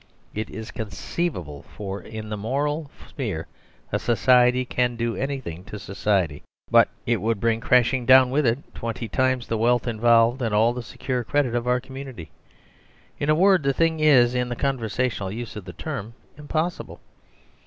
It is conceivable, for, in the moral sphere, society can do anything to society ; but it would bring crashing down with it twenty times the wealth involved and all the secure credit of our com munity. In a word, the thing is, in the conversa tional use of that term, impossible.